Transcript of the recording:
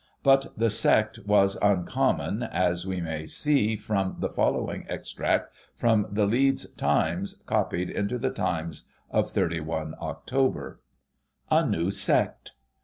But the sect was uncommon, as we may see from the following extract from the Leeds Times, copied into the Times of 3 1 Oct. : •'A New Sect.